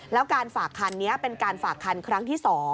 แล้วการฝากคันนี้เป็นการฝากคันครั้งที่๒